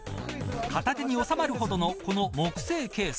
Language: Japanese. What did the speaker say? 片手に収まるほどのこの木製ケース。